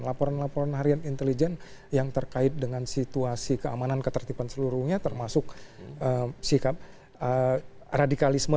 laporan laporan harian intelijen yang terkait dengan situasi keamanan ketertiban seluruhnya termasuk sikap radikalisme